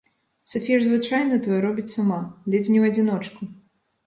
Сафія ж звычайна тое робіць сама, ледзь не ў адзіночку.